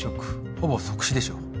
ほぼ即死でしょう。